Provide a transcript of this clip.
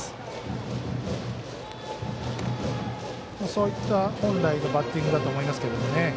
そういった本来のバッティングだと思いますけどね。